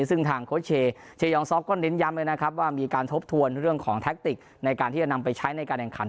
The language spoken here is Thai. ซึ่งทางโค้ชเชยองซ็อกก็เน้นย้ำเลยนะครับว่ามีการทบทวนเรื่องของแท็กติกในการที่จะนำไปใช้ในการแข่งขัน